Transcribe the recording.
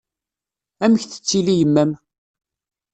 Amek tettili yemma-m?